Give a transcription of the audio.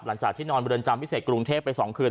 หลังจากที่นอนบริเวณจำพิเศษกรุงเทพฯไป๒คืน